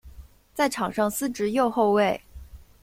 在场上司职右后卫。